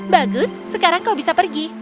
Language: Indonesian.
bagus sekarang kau bisa pergi